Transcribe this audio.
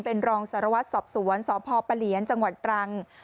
เป็นรองสารวัตรสอบสวนสพปะเหลียนจังหวัดตรัง